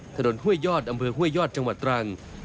ห้วยยอดอำเภอห้วยยอดจังหวัดตรัง